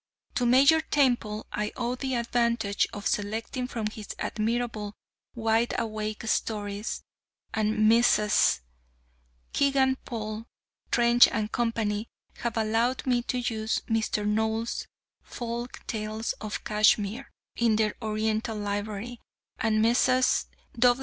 To Major Temple I owe the advantage of selecting from his admirable Wideawake Stories, and Messrs. Kegan Paul, Trench & Co. have allowed me to use Mr. Knowles' "Folk tales of Kashmir," in their Oriental Library; and Messrs.